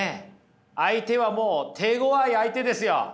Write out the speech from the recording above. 相手はもう手ごわい相手ですよ。